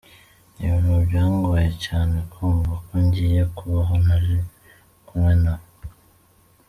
Ni ibintu byangoye cyane kumva ko ngiye kubaho ntari kumwe na we.